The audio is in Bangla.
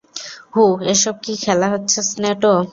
-হুঁ, এসব কি খেলা হচ্ছে স্নেটো?